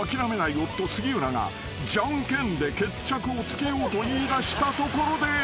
夫杉浦がじゃんけんで決着をつけようと言いだしたところで］